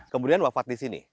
kemudian wafat di sini